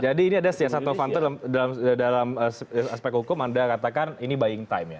jadi ini ada setiano panto dalam aspek hukum anda katakan ini buying time ya